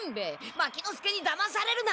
牧之介にだまされるな！